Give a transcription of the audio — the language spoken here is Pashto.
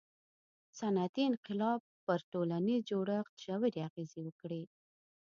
• صنعتي انقلاب پر ټولنیز جوړښت ژورې اغیزې وکړې.